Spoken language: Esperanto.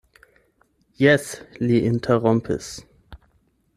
Jes, li interrompis.